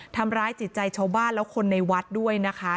ทำร้ายจิตใจชาวบ้านแล้วคนในวัดด้วยนะคะ